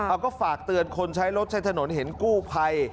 เอาก็ฝากเตือนคนใช้รถใช้ถนนเห็นกู้ภัย